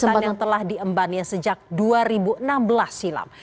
kekuasaan yang telah diembannya sejak dua ribu enam belas silam